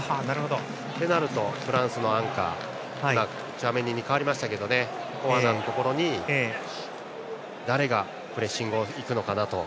そうなるとフランスのアンカーチュアメニに代わりましたがフォファナのところに誰がプレッシングに行くのかなと。